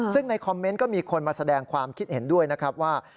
ซึ่งในคอมเมนต์ก็มีคนมาแสดงความคิดเห็นด้วยนะครับว่า